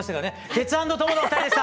テツａｎｄトモのお二人でした。